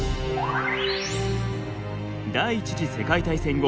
第１次世界大戦後